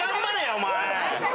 お前。